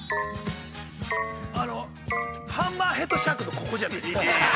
あのハンマーヘッドシャークのここじゃない。